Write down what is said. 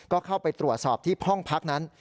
ก็เข้าไปตรวจสอบที่ห้องพักนั้น